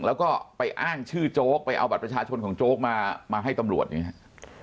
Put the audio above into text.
แล้วก็ไปอ้างชื่อโจ๊กไปเอาบัตรประชาชนของโจ๊กมามาให้ตำรวจอย่างนี้ครับ